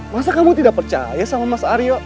masa kamu tidak percaya sama mas aryo